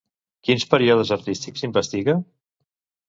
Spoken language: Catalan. Quins períodes artístics investiga?